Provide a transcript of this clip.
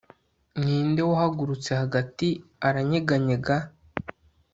Ninde wahagurutse hagati aranyeganyega